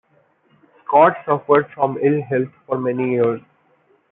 Scott suffered from ill health for many years.